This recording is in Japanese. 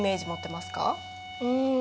うん。